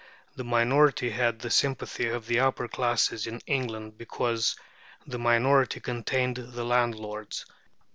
The minority had the sympathy of the upper classes in England, because the minority contained the landlords.